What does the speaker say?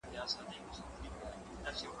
هغه وويل چي سندري ښکلې ده!؟